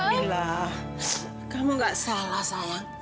bila kamu gak salah sayang